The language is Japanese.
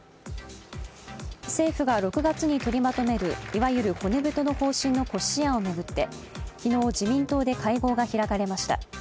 政府が６月に取りまとめるいわゆる骨太の方針の骨子案を巡って昨日、自民党で会合が開かれました